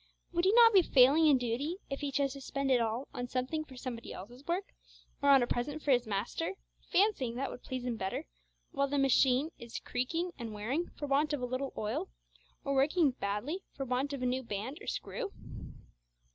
Would he not be failing in duty if he chose to spend it all on something for somebody else's work, or on a present for his master, fancying that would please him better, while the machine is creaking and wearing for want of a little oil, or working badly for want of a new band or screw?